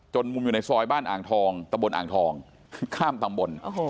มุมอยู่ในซอยบ้านอ่างทองตะบนอ่างทองข้ามตำบล